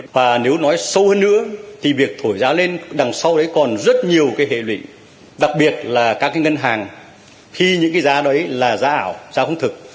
và nếu nói sâu hơn nữa thì việc thổi giá lên đằng sau đấy còn rất nhiều cái hệ lụy đặc biệt là các cái ngân hàng khi những cái giá đấy là giá ảo giá không thực